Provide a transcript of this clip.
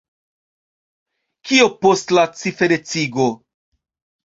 Kio post la ciferecigo?